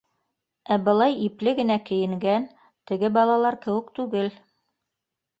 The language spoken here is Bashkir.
Ә былай ипле генә кейенгән, теге балалар кеүек түгел.